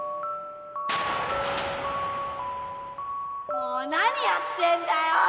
もう何やってんだよ！